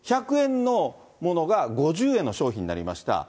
毎月１００円のものが５０円の商品になりました。